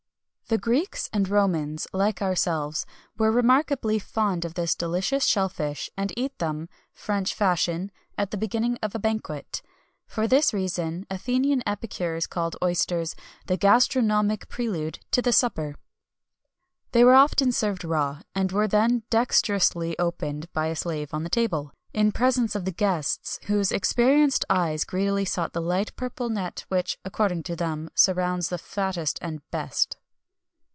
The Greeks and Romans, like ourselves, were remarkably fond of this delicious shell fish, and eat them (French fashion) at the beginning of a banquet.[XXI 221] For this reason Athenian epicures called oysters "the gastronomic prelude to the supper."[XXI 222] They were often served raw,[XXI 223] and were then dexterously opened by a slave on the table,[XXI 224] in presence of the guests, whose experienced eyes greedily sought the light purple net which, according to them, surrounds the fattest and best.